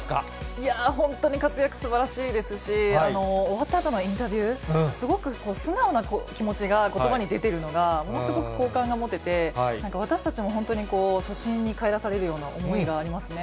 いやー、本当に活躍すばらしいですし、終わったあとのインタビュー、すごく素直な気持ちがことばに出てるのが、ものすごく好感が持てて、なんか私たちも本当にこう、初心に帰らされるような思いがありますね。